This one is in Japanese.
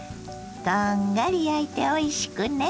こんがり焼いておいしくね。